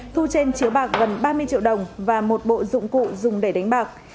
thu trên chiếu bạc gần ba mươi triệu đồng và một bộ dụng cụ dùng để đánh bạc